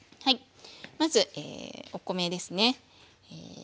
まずお米ですね。